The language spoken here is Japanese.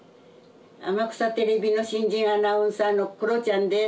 天草テレビの新人アナウンサーのクロちゃんです。